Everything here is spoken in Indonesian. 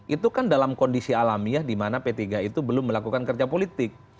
itu kan dalam kondisi alamiah di mana p tiga itu belum melakukan kerja politik